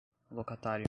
locatário